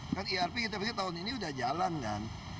kan irp kita pikir tahun ini udah jalan kan